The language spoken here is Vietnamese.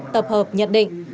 tập hợp nhận định